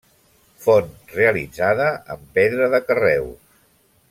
Font realitzada amb pedra de carreus.